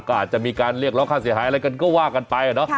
ก็อาจจะมีการเรียกร้องค่าเสียหายอะไรกันก็ว่ากันไปเนอะ